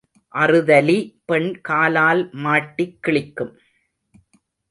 அறுதலி பெண் காலால் மாட்டிக் கிழிக்கும்.